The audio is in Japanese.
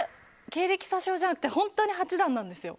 経歴詐称じゃなくて本当に八段なんですよ。